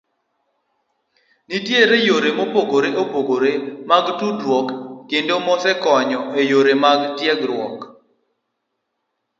Nitiere yore mopogore opogore mag tudruok kendo mosekonyo e yore mag tiegruok.